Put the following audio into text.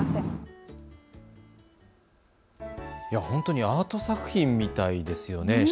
本当にアート作品みたいですね。